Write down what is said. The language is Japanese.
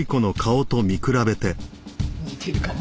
似てるかも。